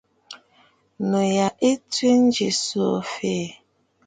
Nû yà ɨ swu jiʼì swù fɛɛ̀.